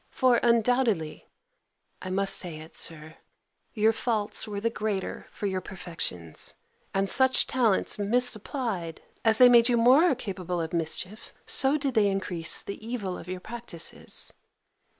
For, undoubtedly (I must say it, Sir), your faults were the greater for your perfections: and such talents misapplied, as they made you more capable of mischief, so did they increase the evil of your practices.